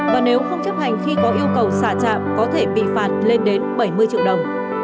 và nếu không chấp hành khi có yêu cầu xả trạm có thể bị phạt lên đến bảy mươi triệu đồng